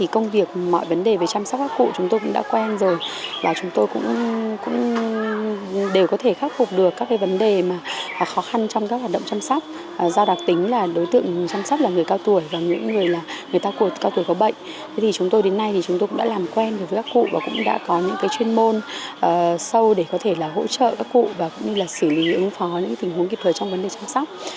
các thành viên đã làm quen với các cụ và cũng đã có những chuyên môn sâu để có thể hỗ trợ các cụ và xử lý ứng phó những tình huống kịp thời trong vấn đề chăm sóc